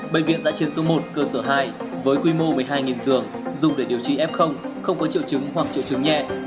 bệnh viện giã chiến số một cơ sở hai với quy mô một mươi hai giường dùng để điều trị f không có triệu chứng hoặc triệu chứng nhẹ